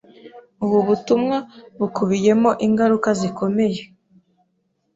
Ubu butumwa bukubiyemo ingaruka zikomeye.